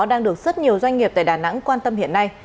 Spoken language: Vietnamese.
đang được rất nhiều doanh nghiệp tại đà nẵng quan tâm hiện nay